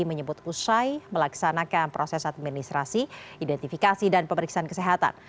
menyebut usai melaksanakan proses administrasi identifikasi dan pemeriksaan kesehatan